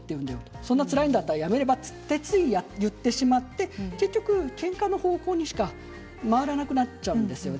そんなにつらいんだったらやめればと言ってしまってけんかの方向にしか回らなくなっちゃうんですね。